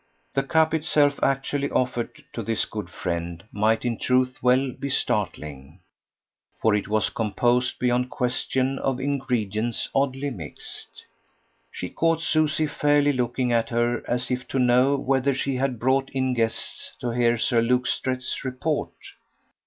The cup itself actually offered to this good friend might in truth well be startling, for it was composed beyond question of ingredients oddly mixed. She caught Susie fairly looking at her as if to know whether she had brought in guests to hear Sir Luke Strett's report.